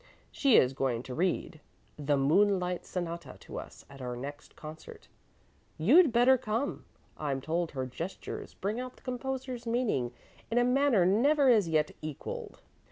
She is going to read the 'Moonlight Sonata' to us at our next concert. You'd better come. I'm told her gestures bring out the composer's meaning in a manner never as yet equalled."